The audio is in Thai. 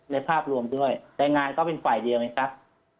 ภาพรวมด้วยแรงงานก็เป็นฝ่ายเดียวไงครับ